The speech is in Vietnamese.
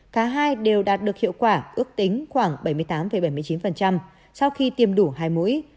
cả hai đều đạt được hiệu quả ước tính khoảng bảy mươi tám bảy mươi chín sau khi tiêm đủ hai mũi